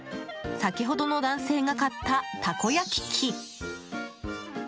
先ほどの男性が買ったたこ焼き器。